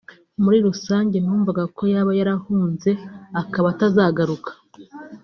muri rusange numvaga ko yaba yarahunze akaba azagaruka